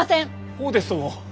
ほうですとも。